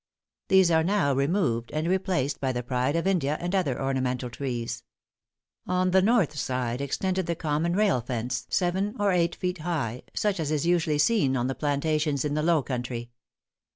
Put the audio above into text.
These are now removed, and replaced by the Pride of India and other ornamental trees. On the north side extended the common rail fence seven or eight feet high, such as is usually seen on plantations in the low country.